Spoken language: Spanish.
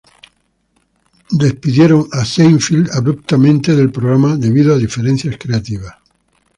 Seinfeld fue despedido abruptamente del programa debido a diferencias creativas.